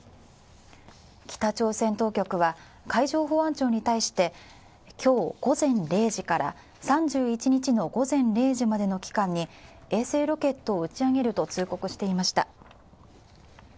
北朝鮮当局は海上保安庁に対して今日午前０時から３１日の午前０時までの期間に衛星ロケットを打ち上げると通告していました。